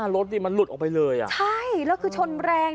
รถดิมันหลุดออกไปเลยอ่ะใช่แล้วคือชนแรง